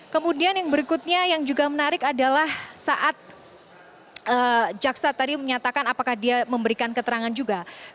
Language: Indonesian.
kemudian yang berikutnya yang juga menarik adalah saat jaksa tadi menyatakan apakah dia memberikan keterangan juga